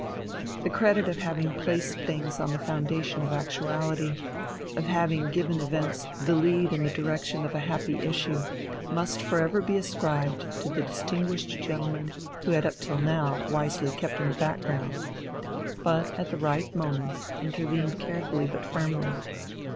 The credit of having placed things on the foundation of actuality, of having given events the lead in the direction of a happy issue, must for ever be ascribed to the distinguished gentleman who had up till now wisely kept in the background, but at the right moment intervened carefully but firmly.